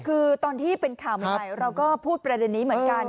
คือตอนที่เป็นข่าวหมายเราก็พูดแบบนี้เหมือนกัน